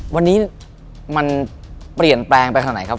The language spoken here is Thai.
วันนี้มันเปลี่ยนแปลงไปทางไหนครับ